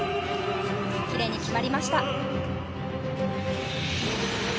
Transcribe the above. きれいに決まりました。